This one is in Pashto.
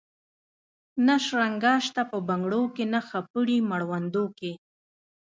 نه شرنګا سته په بنګړو کي نه خپړي مړوندو کي